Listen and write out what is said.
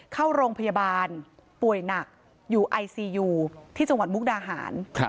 เข้าโรงพยาบาลป่วยหนักอยู่ไอซียูที่จังหวัดมุกดาหาร